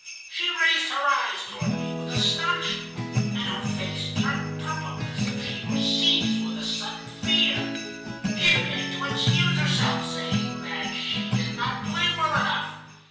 She raised her eyes toward me with astonishment, and her face turned purple, as if she were seized with a sudden fear. She began to excuse herself, saying that she did not play well enough.